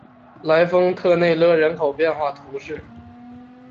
莱丰特内勒人口变化图示